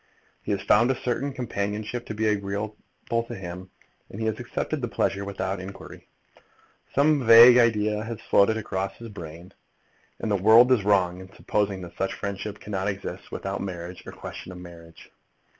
He has found a certain companionship to be agreeable to him, and he has accepted the pleasure without inquiry. Some vague idea has floated across his brain that the world is wrong in supposing that such friendship cannot exist without marriage, or question of marriage.